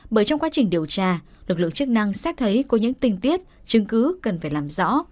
bởi trong quá trình điều tra lực lượng chức năng xét thấy có những tình tiết chứng cứ cần phải làm rõ